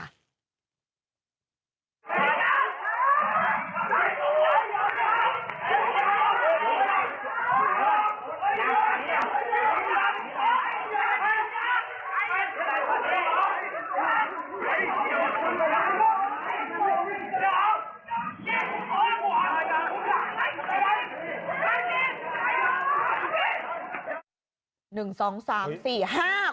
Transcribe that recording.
เพิ่มคุณผู้ชมผู้บ่าครับ